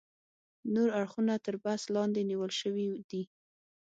نور اړخونه تر بحث لاندې نیول شوي دي.